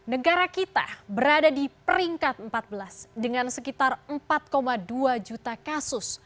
negara kita berada di peringkat empat belas dengan sekitar empat dua juta kasus